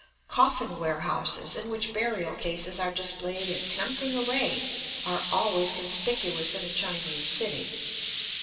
Coffin warehouses in which burial cases are displayed in tempting array are always conspicuous in a Chinese city.